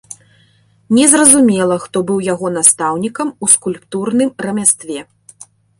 Незразумела, хто быў яго настаўнікам у скульптурным рамястве.